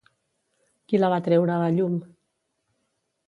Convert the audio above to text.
Qui la va treure a la llum?